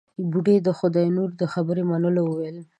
بوډۍ د خداينور د خبرې منلو وويل.